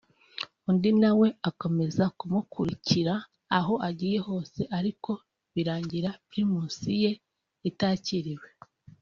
undi na we akomeza kumukurikira aho agiye hose ariko birangira Primus ye itakiriwe